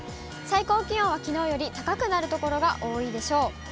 最高気温はきのうより高くなる所が多いでしょう。